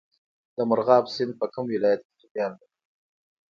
د مرغاب سیند په کوم ولایت کې جریان لري؟